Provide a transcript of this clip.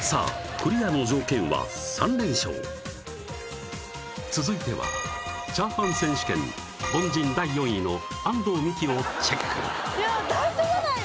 クリアの条件は３連勝続いてはチャーハン選手権凡人第４位の安藤美姫をチェックいやだいじょばないよ